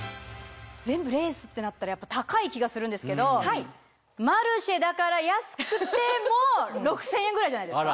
全部レースってなったら高い気がするんですけど『マルシェ』だから安くても６０００円ぐらいじゃないですか？